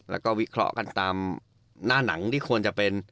แล้วก็วิเคราะห์กันตามหน้าหนังที่ควรจะเป็น